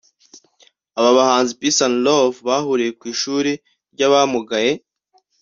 Aba bahanzi Peace and Love bahuriye ku ishuri ry’abamugaye